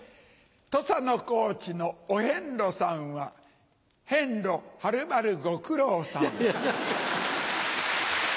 土佐の高知のお遍路さんはヘンロはるばるご苦労さん。